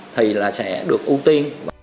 thì là sẽ được ưu tiên